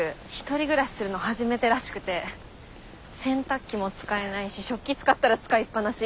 １人暮らしするの初めてらしくて。洗濯機も使えないし食器使ったら使いっぱなし。